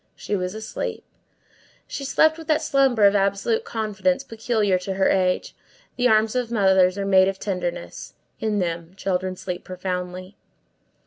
She was asleep. She slept with that slumber of absolute confidence peculiar to her age. The arms of mothers are made of tenderness; in them children sleep profoundly.